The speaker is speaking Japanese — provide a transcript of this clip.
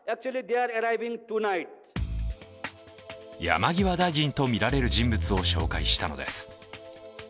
山際大臣とみられる人物を紹介したのです。